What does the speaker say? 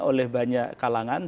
oleh banyak kalangan